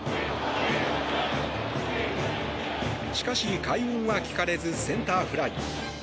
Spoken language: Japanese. しかし、快音は聞かれずセンターフライ。